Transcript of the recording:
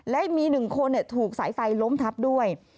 และมี๑คนถูกสายไฟล้มทับด้วย